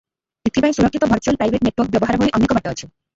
ଏଥି ପାଇଁ ସୁରକ୍ଷିତ "ଭର୍ଚୁଆଲ ପ୍ରାଇଭେଟ ନେଟୱାର୍କ" ବ୍ୟବହାର ଭଳି ଅନେକ ବାଟ ଅଛି ।